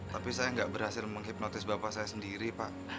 tapi saya nggak berhasil menghipnotis bapak saya sendiri pak